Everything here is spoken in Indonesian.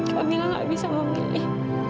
pak mila gak bisa memilih